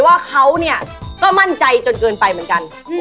ว่าเขาก็มั่นใจจนเกินไปเหมือนกัน